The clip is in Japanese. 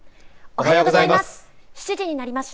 おはようございます。